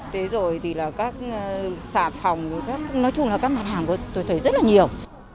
thế rồi thì là các xà phòng nói chung là các mặt hàng của tôi thấy rất là nhiều